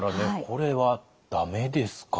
これは駄目ですか？